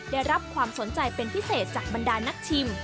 ได้รับความสนใจเป็นพิเศษจากบรรดานักชิม